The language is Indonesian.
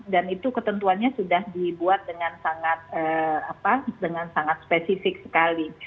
dan itu ketentuannya sudah dibuat dengan sangat spesifik sekali